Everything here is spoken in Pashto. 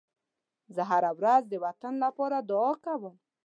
زه هره ورځ د وطن لپاره دعا کوم.